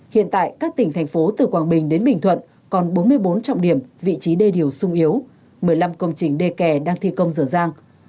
hiện tại các tỉnh thành phố từ quảng bình đến bình thuận còn bốn mươi bốn trọng điểm vị trí đê điều sung yếu một mươi năm công trình đê kè đang thi công dở dàng